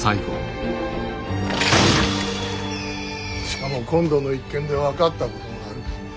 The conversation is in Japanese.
しかも今度の一件で分かったことがある。